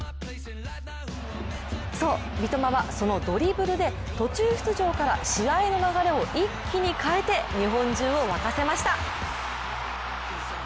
そう、三笘はそのドリブルで途中出場から試合の流れを一気に変えて日本中を沸かせました。